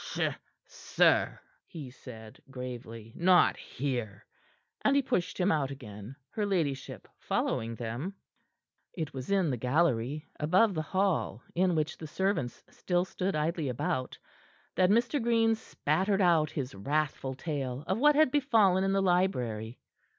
"Sh! sir," he said gravely. "Not here." And he pushed him out again, her ladyship following them. It was in the gallery above the hall, in which the servants still stood idly about that Mr. Green spattered out his wrathful tale of what had befallen in the library.